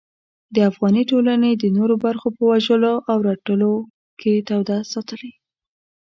د افغاني ټولنې د نورو برخو په وژلو او رټلو کې توده ساتلې.